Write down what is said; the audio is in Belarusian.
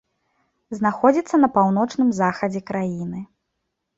Знаходзіцца на паўночным захадзе краіны.